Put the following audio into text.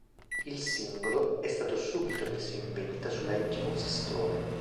Il singolo è stato subito messo in vendita sull'iTunes Store.